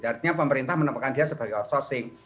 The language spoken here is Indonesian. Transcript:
artinya pemerintah menemukan dia sebagai outsourcing